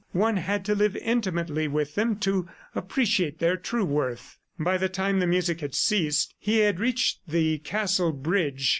One had to live intimately with them to appreciate their true worth. By the time the music had ceased, he had reached the castle bridge.